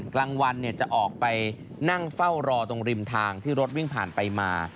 กลางวันจะออกไปนั่งเฝ้ารอตรงริมทางที่รถวิ่งผ่านไปมา